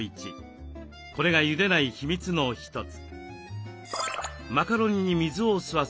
これがゆでない秘密の一つ。